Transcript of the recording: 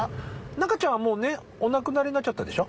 中ちゃんはもうねお亡くなりになっちゃったでしょ？